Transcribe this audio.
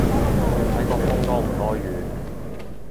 要睇個風多唔多雨